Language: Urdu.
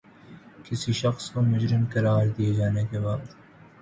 کسی شخص کو مجرم قراد دیے جانے کے بعد